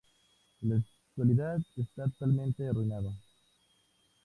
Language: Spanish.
En la actualidad está totalmente arruinado.